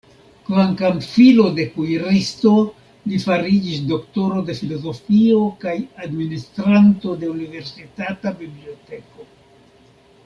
Kvankam filo de kuiristo, li fariĝis doktoro de filozofio kaj administranto de universitata biblioteko.